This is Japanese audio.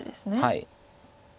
はい。